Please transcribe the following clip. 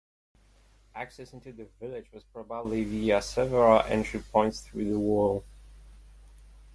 Access into the village was probably via several entry points through the wall.